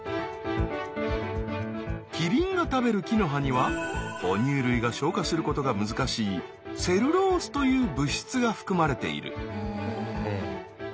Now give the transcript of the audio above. キリンが食べる木の葉には哺乳類が消化することが難しい「セルロース」という物質が含まれている。